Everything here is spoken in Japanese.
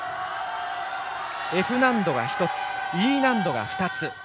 Ｆ難度が１つ、Ｅ難度が２つ。